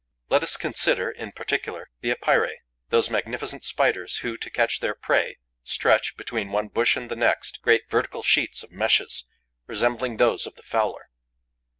Let us consider, in particular, the Epeirae, those magnificent Spiders who, to catch their prey, stretch, between one bush and the next, great vertical sheets of meshes, resembling those of the fowler.